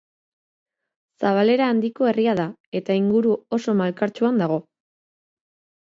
Zabalera handiko herria da, eta inguru oso malkartsuan dago.